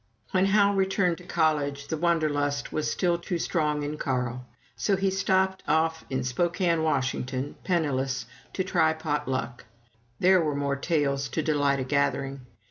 When Hal returned to college, the Wanderlust was still too strong in Carl; so he stopped off in Spokane, Washington, penniless, to try pot luck. There were more tales to delight a gathering.